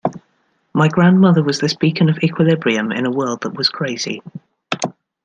My grandmother was this beacon of equilibrium in a world that was crazy.